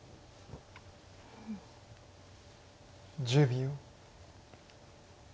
１０秒。